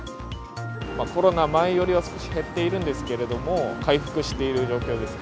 コロナ前よりは少し減っているんですけれども、回復している状況です。